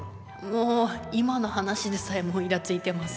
もう今の話でさえもうイラついてます。